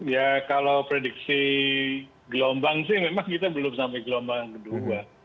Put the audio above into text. ya kalau prediksi gelombang sih memang kita belum sampai gelombang kedua